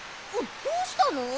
どうしたの！？